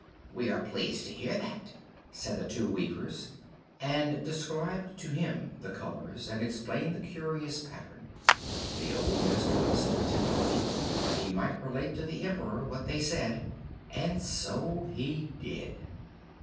"We are pleased to hear that," said the two weavers, and described to him the colours and explained the curious pattern. The old minister listened attentively, that he might relate to the emperor what they said; and so he did.